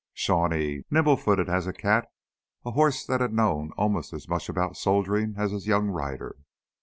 Shawnee, nimble footed as a cat, a horse that had known almost as much about soldiering as his young rider.